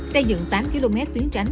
xây dựng tám km tuyến tránh